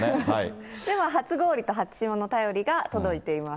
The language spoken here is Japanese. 初氷と初霜の便りが届いています。